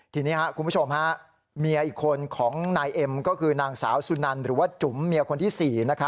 ทีนี้คุณผู้ชมฮะเมียอีกคนของนายเอ็มก็คือนางสาวสุนันหรือว่าจุ๋มเมียคนที่๔